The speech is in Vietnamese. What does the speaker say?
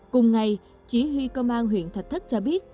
cùng ngày chỉ huy công an huyện thạch thất cho biết